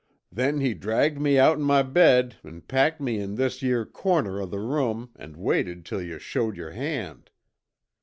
Then he dragged me outen my bed an' packed me in this yere corner of the room an' waited till yuh showed yer hand.